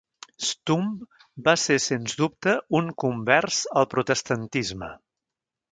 Stumpp va ser sens dubte un convers al protestantisme.